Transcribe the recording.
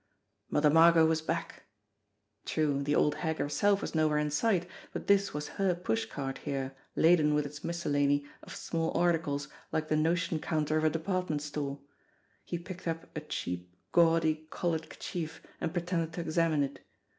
Mother Margot was back ! True, the old hag herself was nowhere in sight, but this was her push cart here laden with its miscellany of small articles like the notion counter of a department store. He picked up a cheap, gaudy, colored kerchief and pretended to examine it.